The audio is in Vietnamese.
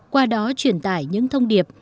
qua đó truyền tải những thông điệp